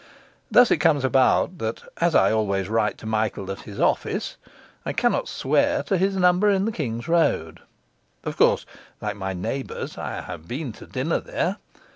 Thus it comes about that, as I always write to Michael at his office, I cannot swear to his number in the King's Road. Of course (like my neighbours), I have been to dinner there.